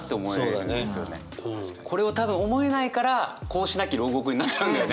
これを多分思えないから「格子なき牢獄」になっちゃうんだよね。